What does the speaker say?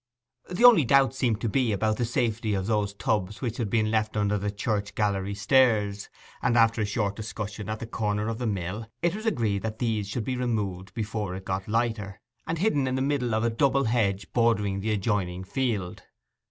The only doubt seemed to be about the safety of those tubs which had been left under the church gallery stairs, and after a short discussion at the corner of the mill, it was agreed that these should be removed before it got lighter, and hidden in the middle of a double hedge bordering the adjoining field.